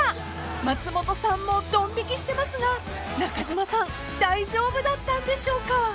［松本さんもドン引きしてますが中島さん大丈夫だったんでしょうか？］